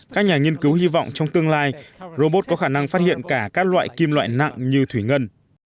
các nhà nghiên cứu hy vọng trong tương lai robot có khả năng phát hiện cả các loại kim loại nặng như thủy ngân